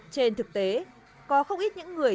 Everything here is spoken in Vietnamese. trên thực tế có không ít những người